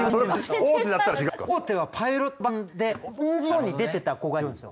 大手はパイロット版でおんなじように出てた子がいるんですよ。